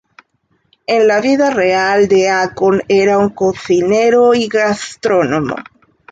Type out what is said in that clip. En la vida real Deacon era un cocinero y gastrónomo.